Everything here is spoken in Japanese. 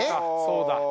そうだ。